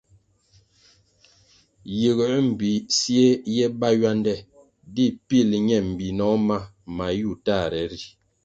Yiguer mbpi siè ye bá ywande di pil ñe mbinoh ma mayu tahre ri.